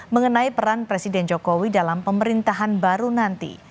mengenai peran presiden jokowi dalam pemerintahan baru nanti